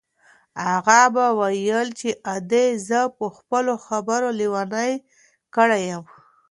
اغا به ویل چې ادې زه په خپلو خبرو لېونۍ کړې یم.